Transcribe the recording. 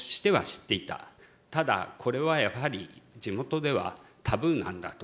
ただこれはやはり地元ではタブーなんだと。